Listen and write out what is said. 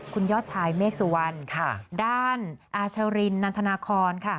คุณยอดชายเมฆสุวรรณด้านอาชรินนันทนาคอนค่ะ